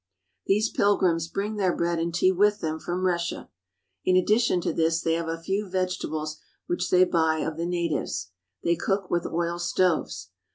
These pilgrims bring their bread and tea with them from Russia. In addition to this they have a few vege tables which they buy of the natives. They cook with oil stoves.